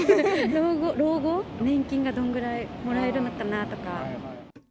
老後、年金がどんぐらいもらえるのかなとか。